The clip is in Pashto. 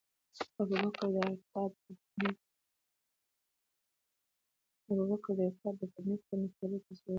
ابوبکر رض د ارتداد د فتنې پر وړاندې د فولاد په څېر ودرېد.